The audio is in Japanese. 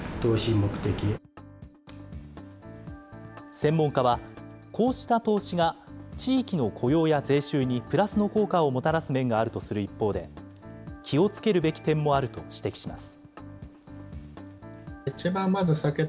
専門家は、こうした投資が地域の雇用や税収にプラスの効果をもたらす面があるとする一方で、気をつけるべき点もあると指摘します。